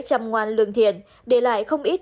chăm ngoan lương thiện để lại không ít